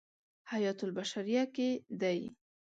حیاة البشریة کې دی.